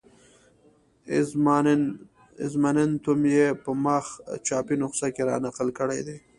اظماننتم یې په مخ چاپي نسخه کې را نقل کړی دی.